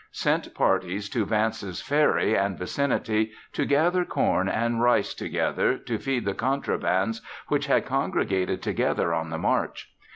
Sent parties to Vance's Ferry and vicinity to gather corn and rice together to feed the contrabands which had congregated together on the march.